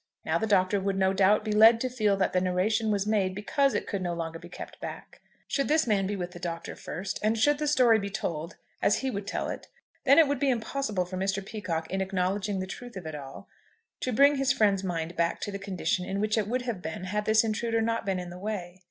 Now the Doctor would, no doubt, be led to feel that the narration was made because it could no longer be kept back. Should this man be with the Doctor first, and should the story be told as he would tell it, then it would be impossible for Mr. Peacocke, in acknowledging the truth of it all, to bring his friend's mind back to the condition in which it would have been had this intruder not been in the way.